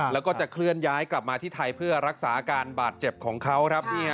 แล้วก็จะเคลื่อนย้ายกลับมาที่ไทยเพื่อรักษาอาการบาดเจ็บของเขาครับ